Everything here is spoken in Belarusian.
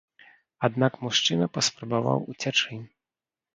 Аднак мужчына паспрабаваў уцячы.